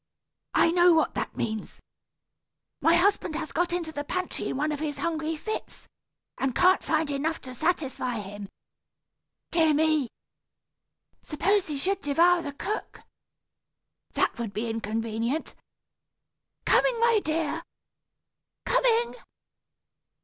I know what that means. My husband has got into the pantry, in one of his hungry fits, and can't find enough to satisfy him. Dear me! Suppose he should devour the cook. That would be inconvenient. Coming, my dear, coming!"